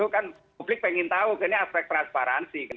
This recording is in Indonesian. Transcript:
kan publik pengen tahu ini aspek transparansi